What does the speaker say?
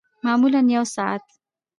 معمولاً یوه ساعت